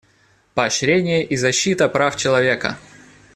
Поощрение и защита прав человека.